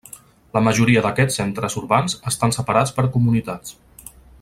La majoria d'aquests centres urbans estan separats per comunitats.